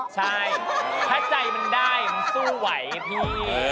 ใช่ถ้าใจมันได้มันสู้ไหวพี่